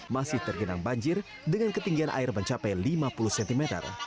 masih tergenang banjir dengan ketinggian air mencapai lima puluh cm